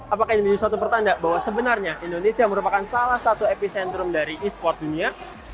apakah ini menjadi suatu pertanda bahwa sebenarnya indonesia merupakan salah satu epicentrum dari e sport dunia